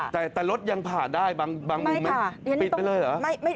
แต่รถยังผ่านได้บางมุมไหมปิดไปเลยเหรอ